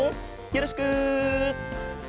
よろしく。